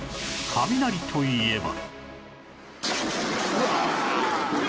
雷といえば